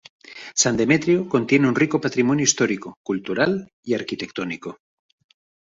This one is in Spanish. San Demetrio, contiene un rico patrimonio histórico, cultural y arquitectónico.